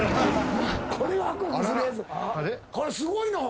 これすごいな。